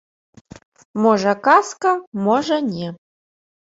Можа, казка, можа, не.